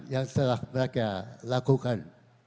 yang telah mereka lakukan